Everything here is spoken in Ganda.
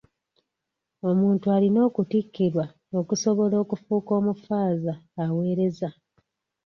Omuntu alina okutikkirwa okusobola okufuuka omufaaza aweereza.